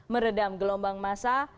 meredam gelombang masa